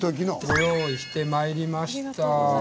ご用意してまいりました。